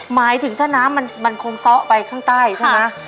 หมายถึงถ้าน้ำมันคงซ้อไปข้างใต้ใช่ไหม